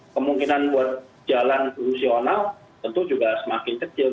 kemungkinan buat jalan fungsional tentu juga semakin kecil